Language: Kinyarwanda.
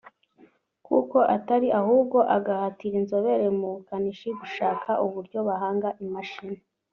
kuko atari ahubwo agahatira inzobere mu bukanishi gushaka uburyo bahanga imashini